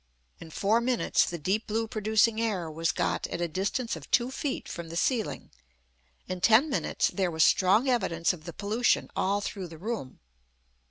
In four minutes the deep blue producing air was got at a distance of two feet from the ceiling. In ten minutes there was strong evidence of the pollution all through the room.